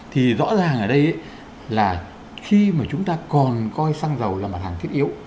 thì rõ ràng ở đây là khi mà chúng ta còn coi xăng dầu là mặt hàng thiết yếu